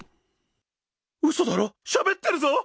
うそだろ、しゃべってるぞ！